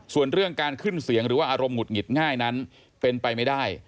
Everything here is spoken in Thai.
ส่วนเรื่องการขึ้นเสียงหรือว่าอารมณ์หุดหงิดง่ายนั้นเป็นไปไม่ได้